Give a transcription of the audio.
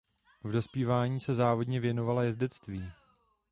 V dospívání se závodně věnovala jezdectví.